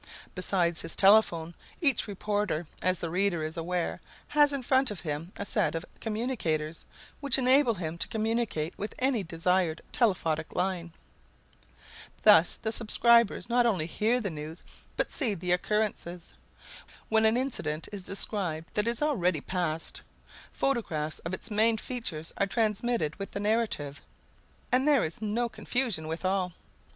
Besides his telephone, each reporter, as the reader is aware, has in front of him a set of commutators, which enable him to communicate with any desired telephotic line. Thus the subscribers not only hear the news but see the occurrences. When an incident is described that is already past, photographs of its main features are transmitted with the narrative. And there is no confusion withal.